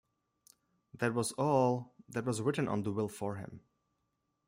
That was all that was written on the will for him.